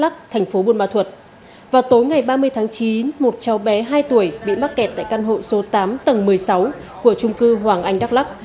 cháu bé hai tuổi bị bắt kẹt tại căn hộ số tám tầng một mươi sáu của trung cư hoàng anh đắk lắc